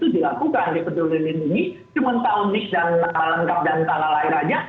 di penduduk indonesia cuma tahu mix dan nama lengkap dan nama lain lainnya